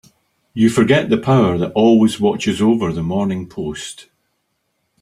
You forget the power that always watches over the Morning Post.